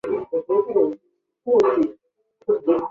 影片有着庞大的意大利制作团队。